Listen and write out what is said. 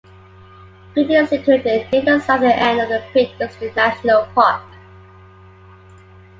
Grindon is situated near the southern end of the Peak District National Park.